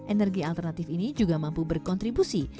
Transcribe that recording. energi alternatif ini juga mampu berkontribusi